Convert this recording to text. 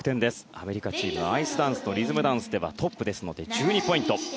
アメリカチーム、アイスダンスのリズムダンスではトップなので１２ポイント。